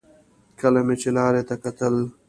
کله مې چې لارې ته کتل.